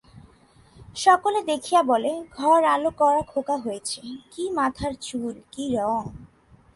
সকলে দেখিয়া বলে, ঘর-আলো-করা খোকা হয়েছে, কি মাথায় চুল, কি রং!